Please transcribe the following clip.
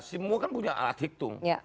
semua kan punya alat hitung